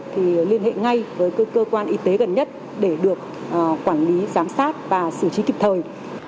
thì liên hệ ngay với cơ quan y tế gần nhất để được quản lý giám sát và xử trí kịp thời